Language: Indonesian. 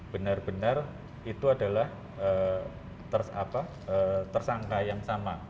benar benar itu adalah tersangka yang sama